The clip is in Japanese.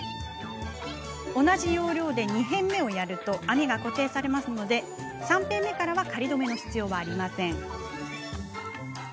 同じ要領で２辺目をやると網が固定されるので３辺目からは仮留めの必要はありません。